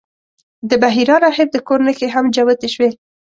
د بحیرا راهب د کور نښې هم جوتې شوې.